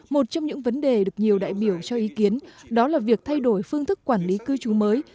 một trong những vấn đề được nhiều đại biểu cho ý kiến đó là việc thay đổi phương thức quản lý cư trú mới